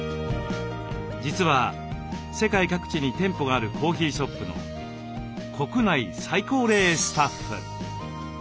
実は世界各地に店舗があるコーヒーショップの国内最高齢スタッフ。